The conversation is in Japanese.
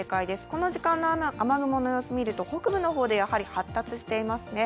この時間の雨雲を見てみますと北部の方でやはり発達していますね。